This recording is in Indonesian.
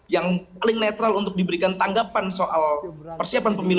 yang paling netral untuk diberikan tanggapan soal persiapan pemilu